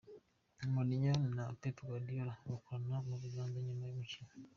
Mourinho na Pep Guardiola bakorana mu biganza nyuma y'umukino.